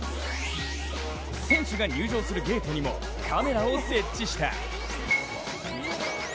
選手が入場するゲートにもカメラを設置した。